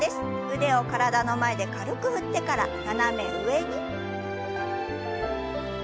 腕を体の前で軽く振ってから斜め上に。